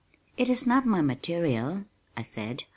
"It is not my material," I said.